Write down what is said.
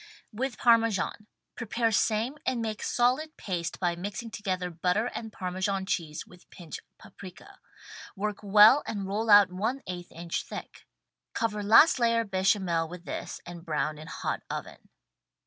With Parmesan. Prepare same and make solid paste by mixing together butter and Parmesan cheese with pinch paprika. Work well and roll out one eighth inch thick. Cover last layer bechamel with this and brown in hot oven.